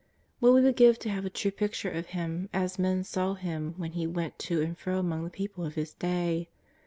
What we would give to have a true picture of Him as men saw Him when He went to and fro among the people of His day